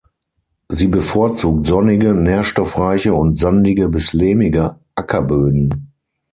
Sie bevorzugt sonnige, nährstoffreiche und sandige bis lehmige Ackerböden.